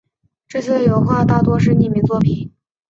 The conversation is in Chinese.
这些油画大多是匿名作品。